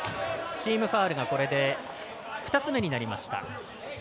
チームファウルがこれで２つ目になりました。